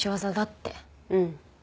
うん。